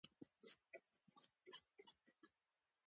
کروشیایان او هنګریایان هم جنګېږي.